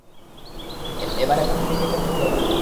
এবার এখান থেকে কেটে পড়তে হবে!